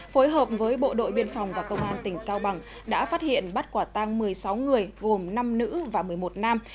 phối hợp với bộ đội biên phòng và công an tỉnh cao bằng đã phát hiện bắt quả tang một mươi sáu người gồm năm nữ và một mươi một nam